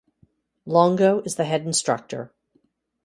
Longo is the head instructor.